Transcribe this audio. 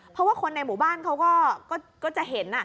เพราะว่าคนในหมู่บ้านเขาก็จะเห็น